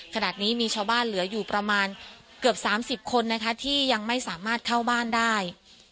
ขณะนี้มีชาวบ้านเหลืออยู่ประมาณเกือบ๓๐คนนะคะที่ยังไม่สามารถเข้าบ้านได้